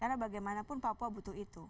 karena bagaimanapun papua butuh itu